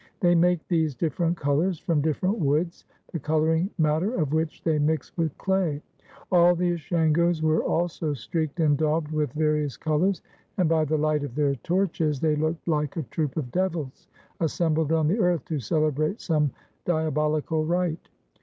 They make these difi'erent colors from different woods, the coloring matter of which they mix with clay. All the Ashangos were also streaked and daubed with various colors, and by the light of their torches they looked like a troop of de\ ils assembled on the earth to celebrate some diabolical rite.